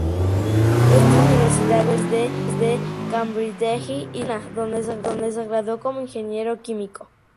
Estudió en las universidades de Cambridge y Lausana, donde se graduó como ingeniero químico.